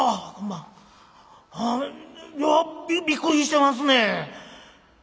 あいやびびっくりしてますねん。なあ」。